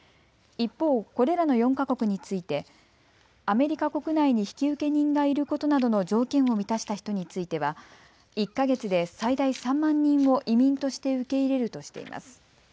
一方、これらの４か国についてアメリカ国内に引受人がいることなどの条件を満たした人については１か月で最大３万人を移民として受け入れるとしています。